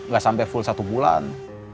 gak sampai full satu bulan